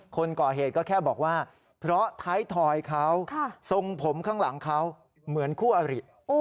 คนก่อเหตุก็แค่บอกว่าเพราะท้ายถอยเขาทรงผมข้างหลังเขาเหมือนคู่อริ